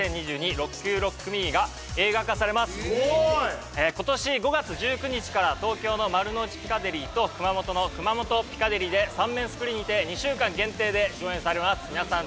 ＲＯＣＫＭＥ！！”が映画化されます今年５月１９日から東京の丸の内ピカデリーと熊本の熊本ピカデリーで３面スクリーンにて２週間限定で上映されます皆さん